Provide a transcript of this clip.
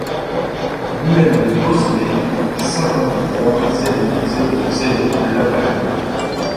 Ruelle de Beausoleil, cinquante-trois, zéro zéro zéro Laval